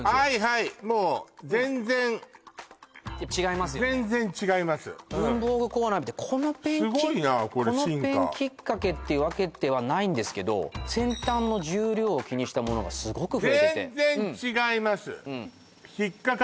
はいもう全然違いますよね文房具コーナー見てこのペンすごいなこれ進化このペンきっかけっていうわけではないんですけど先端の重量を気にしたものがすごく増えてて全然違います